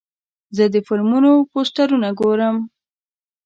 زه د فلمونو پوسټرونه ګورم.